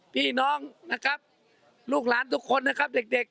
พี่น้องนะครับลูกหลานทุกคนนะครับเด็ก